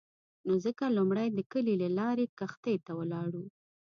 نو ځکه لومړی د کلي له لارې کښتۍ ته ولاړو.